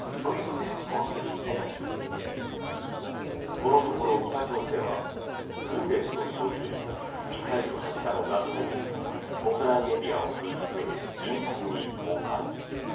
このところ、北朝鮮は訓練と称するミサイル発射の画像を国内メディアを通じて頻繁に公開。